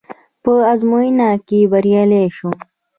په ازموينه کې بريالی شوم.